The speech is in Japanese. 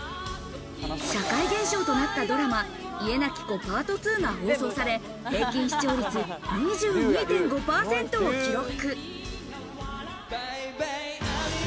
社会現象となったドラマ『家なき子』Ｐａｒｔ２が放送され、平均視聴率２２．５％を記録。